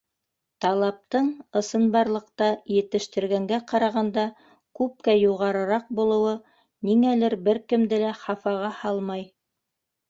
Талаптың ысынбарлыҡта етештергәнгә ҡарағанда күпкә юғарыраҡ булыуы ниңәлер бер кемде лә хафаға һалмай.